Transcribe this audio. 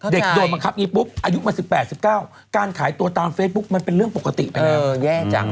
เด็กโดนบังคับปุ๊บอายุมัน๑๘๑๙การขายตัวตามเฟซบุ๊กมันเป็นเรื่องปกติไปแล้ว